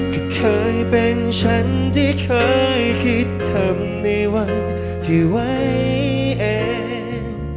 ก็เคยเป็นฉันที่เคยคิดทำในวันที่ไว้เอง